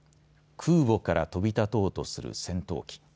空母から飛び立とうとする戦闘機。